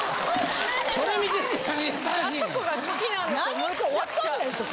何か分かんないですよ